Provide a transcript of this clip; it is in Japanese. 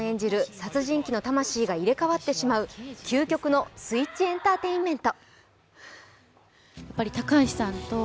殺人鬼の魂が入れ替わってしまう究極のスイッチエンターテインメント。